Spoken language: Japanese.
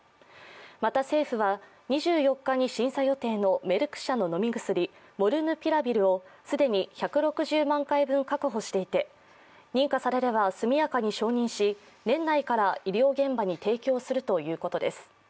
また、政府は２４日に審査予定のメルク社の飲み薬、モルヌピラビルを既に１６０万回分確保していて、認可されれば速やかに承認し、年内から医療現場に提供するということです。